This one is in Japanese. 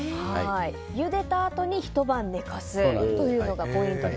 ゆでたあとにひと晩寝かすというのがポイントで。